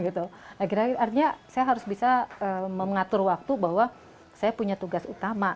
akhirnya artinya saya harus bisa mengatur waktu bahwa saya punya tugas utama